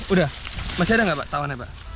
udah masih ada nggak pak tauannya pak